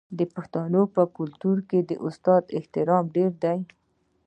د پښتنو په کلتور کې د استاد احترام ډیر دی.